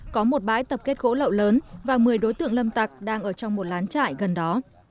có một bãi tập kết gỗ lậu lớn và một mươi đối tượng lâm tặc đang ở trong một lán trại gần đó